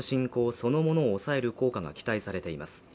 そのものを抑える効果が期待されています